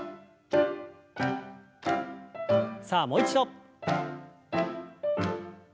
さあもう一度。